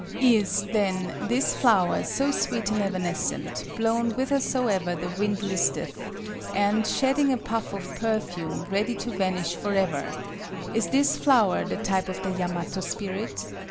Is, then, this flower, so sweet and evanescent, blown whithersoever the wind listeth, and, shedding a puff of perfume, ready to vanish forever, is this flower the type of the Yamato spirit?